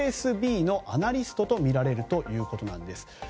ＦＳＢのアナリストとみられるということです。